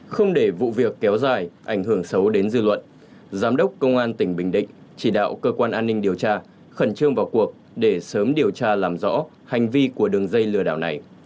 không để vụ việc kéo dài ảnh hưởng xấu đến dư luận giám đốc công an tỉnh bình định chỉ đạo cơ quan an ninh điều tra khẩn trương vào cuộc để sớm điều tra làm rõ hành vi của đường dây lừa đảo này